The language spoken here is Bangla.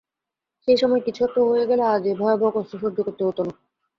সেই সময় কিছু-একটা হয়ে গেলে, আজ এই ভয়াবহ কষ্ট সহ্য করতে হত না।